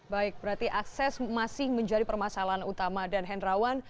baik berarti akses masih menjadi permasalahan utama dan hendrawan